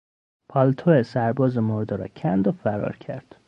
پالتو سرباز مرده را کند و فرار کرد.